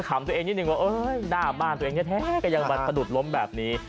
ำตัวเองนิดนึงว่าหน้าบ้านตัวเองแท้ก็ยังมาสะดุดล้มแบบนี้